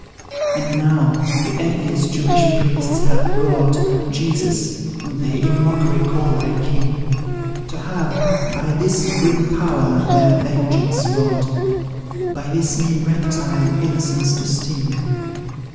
And now, the envious Jewish priests have brought Jesus whom they in mock'ry call their king To have, by this grim power, their vengeance wrought; By this mean reptile, innocence to sting.